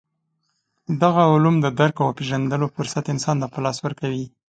دغه علوم د درک او پېژندلو فرصت انسان ته په لاس ورکوي.